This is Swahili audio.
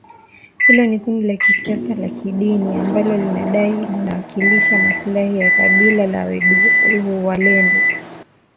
Hilo ni kundi la kisiasa na kidini ambalo linadai linawakilisha maslahi ya kabila la walendu